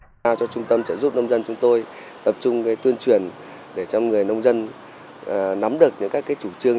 chúng tôi đã cho trung tâm trợ giúp nông dân chúng tôi tập trung tuyên truyền để cho người nông dân nắm được những chủ trương